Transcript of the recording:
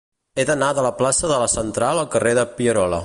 He d'anar de la plaça de la Central al carrer de Pierola.